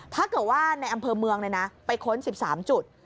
ถ้าเกิดว่าในอำเภอเมืองไปค้น๑๓จุด